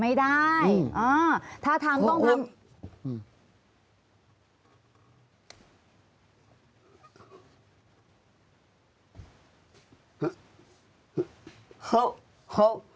ไม่ได้ถ้าถามต้องก็